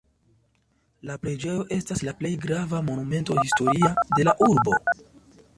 La preĝejo estas la plej grava Monumento historia de la urbo.